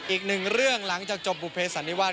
อีกหนึ่งเรื่องหลังจากจบบุเภสันนิวาส